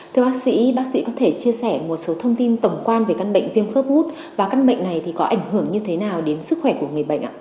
thưa bác sĩ bác sĩ có thể chia sẻ một số thông tin tổng quan về căn bệnh viêm khớp gút và căn bệnh này thì có ảnh hưởng như thế nào đến sức khỏe của người bệnh ạ